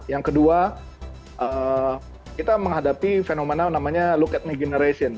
yang kedua kita menghadapi fenomena namanya look at me generation